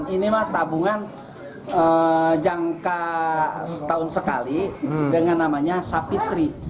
ini mah tabungan jangka setahun sekali dengan namanya sapitri